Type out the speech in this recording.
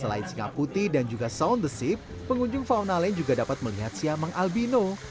selain singa putih dan juga sound the ship pengunjung fauna lane juga dapat melihat siamang albino